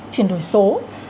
chuyển đổi số